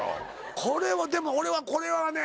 これはでも俺はこれはね。